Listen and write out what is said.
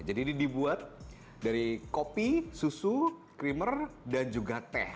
jadi ini dibuat dari kopi susu krimer dan juga teh